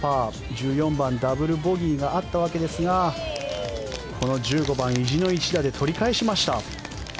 １４番ダブルボギーがあったわけですがこの１５番意地の一打で取り返しました。